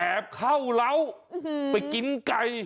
แอบเข้าแล้วไปกินไก่